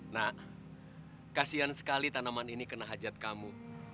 nah kasian sekali tanaman ini kena hajat kamu